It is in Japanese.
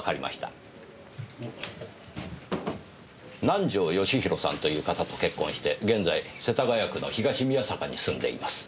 南条義弘さんという方と結婚して現在世田谷区の東宮坂に住んでいます。